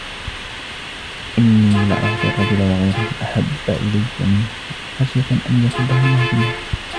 إِنِّي لَأُعْطِي الرَّجُلَ وَغَيْرُهُ أَحَبُّ إِلَيَّ مِنْهُ خَشْيَةَ أَنْ يَكُبَّهُ اللَّهُ فِي النَّارِ.